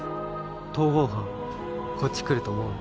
逃亡犯こっち来ると思う？